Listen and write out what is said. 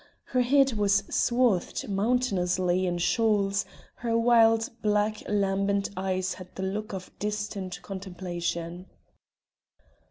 Her head was swathed mountainously in shawls; her wild, black, lambent eyes had the look of distant contemplation.